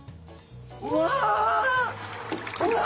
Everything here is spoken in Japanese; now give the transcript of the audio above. うわ。